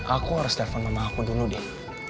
aku harus telepon sama aku dulu deh